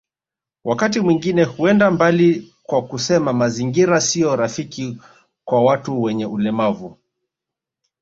Wakati mwingine huenda mbali kwa kusema mazingira sio rafiki kwa watu wenye ulemavu